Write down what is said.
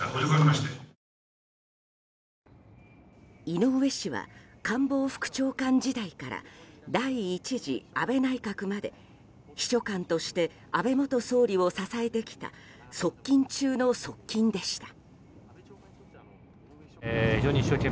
井上氏は官房副長官時代から第１次安倍内閣まで秘書官として安倍元総理を支えてきた側近中の側近でした。